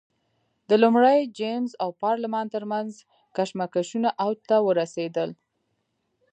د لومړي جېمز او پارلمان ترمنځ کشمکشونه اوج ته ورسېدل.